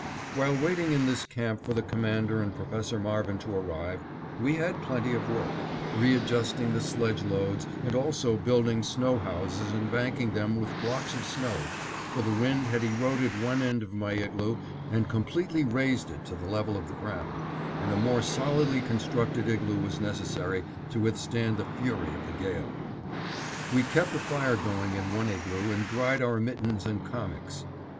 While waiting in this camp for the Commander and Professor Marvin to arrive, we had plenty of work; re adjusting the sledge loads and also building snow houses and banking them with blocks of snow, for the wind had eroded one end of my igloo and completely razed it to the level of the ground, and a more solidly constructed igloo was necessary to withstand the fury of the gale. We kept a fire going in one igloo and dried our mittens and kamiks.